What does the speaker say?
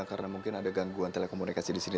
karena mungkin ada gangguan telekomunikasi di sini